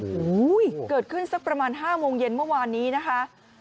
โอ้โหเกิดขึ้นสักประมาณ๕โมงเย็นเมื่อวานนี้นะคะ